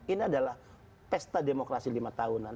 ini adalah pesta demokrasi lima tahunan